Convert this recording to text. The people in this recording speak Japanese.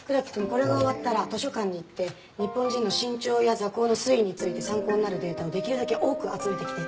これが終わったら図書館に行って日本人の身長や座高の推移について参考になるデータをできるだけ多く集めてきて。